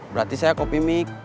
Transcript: berarti saya kopi mik